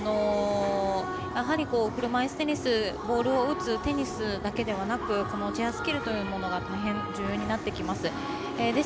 やはり車いすテニスボールを打つテニスだけではなくこのチェアスキルというものが大変重要になってきます。